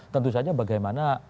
tentu saja bagaimana